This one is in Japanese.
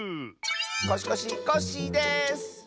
コシコシコッシーです！